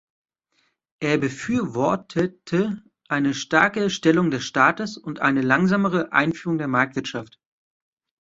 Er befürwortete eine starke Stellung des Staates und eine langsamere Einführung der Marktwirtschaft.